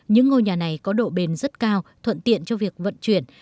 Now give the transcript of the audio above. những ngôi nhà này có độ bền rất cao thuận tiện cho việc vận chuyển